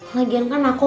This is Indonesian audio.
lagian kan aku